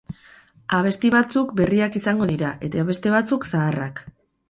Abesti batzuk berriak izango dira eta beste batzuk zaharrak.